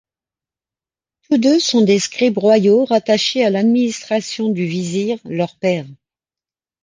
Tous deux sont des scribes royaux rattachés à l'administration du vizir, leur père.